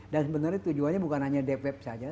dan sebenarnya tujuannya bukan hanya deep web saja